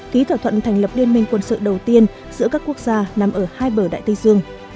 ký thỏa thuận thành lập liên minh quân sự đầu tiên giữa các quốc gia nằm ở hai bờ đại tây dương